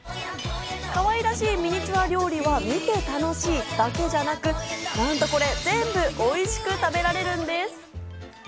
可愛らしいミニチュア料理は見て楽しいだけじゃなく、なんとこれ、全部おいしく食べられるんです。